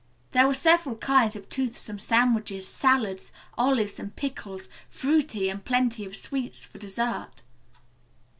There were several kinds of toothsome sandwiches, salads, olives and pickles, fruit and plenty of sweets for dessert.